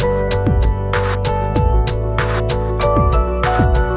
เฮ้เนี้ยฉันขอตัดเฉยพันวันนะครับ